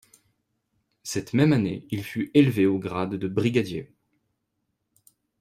Cette même année, il fut élevé au grade de brigadier.